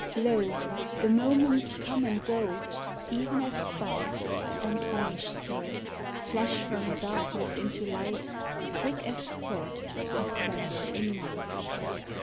Lo, the moments come and go, E'en as sparks, and vanish so; Flash from darkness into light, Quick as thought are quenched in night.